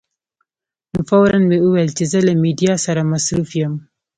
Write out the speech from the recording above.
نو فوراً مې وویل چې زه له میډیا سره مصروف یم.